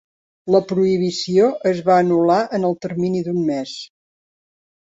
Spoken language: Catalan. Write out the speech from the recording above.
La prohibició es va anul·lar en el termini d'un mes.